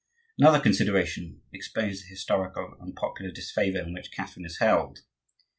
Another consideration explains the historical and popular disfavor in which Catherine is held.